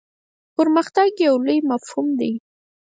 پرمختګ یو لوی مفهوم دی.